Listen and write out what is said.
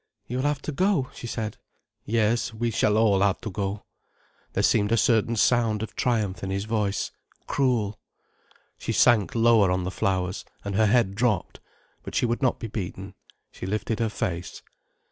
"You will have to go?" she said. "Yes, we shall all have to go." There seemed a certain sound of triumph in his voice. Cruel! She sank lower on the flowers, and her head dropped. But she would not be beaten. She lifted her face.